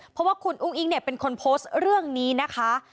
เพราะว่าคุณอุ้งอิ๊งเนี่ยเป็นคนโพสต์เรื่องนี้นะคะ